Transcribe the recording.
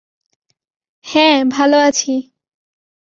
হ্যাঁ, ভালো আছি।